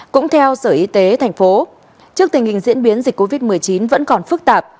cũng theo sở y tế thành phố trước tình hình diễn biến dịch covid một mươi chín vẫn còn phức tạp